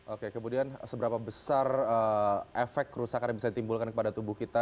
oke kemudian seberapa besar efek kerusakan yang bisa ditimbulkan kepada tubuh kita